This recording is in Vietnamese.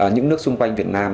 những nước xung quanh việt nam